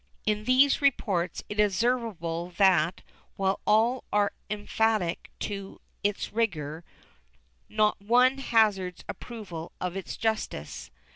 In these reports it is obsei'vable that, while all are emphatic as to its rigor, not one hazards approval of its justice.